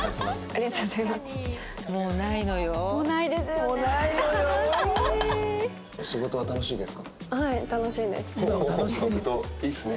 もうないですよね。